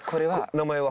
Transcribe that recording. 名前は？